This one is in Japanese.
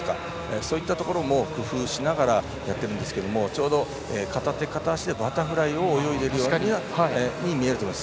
そういったところも工夫しながらやっているんですけれどもちょうど片手、片足でバタフライを泳ぐように見えると思います。